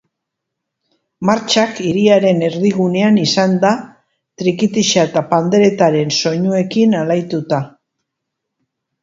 Martxak hiriaren erdigunean izan da trikitixa eta panderetaren soinuekin alaituta.